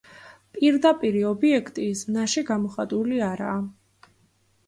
პირდაპირი ობიექტი ზმნაში გამოხატული არაა.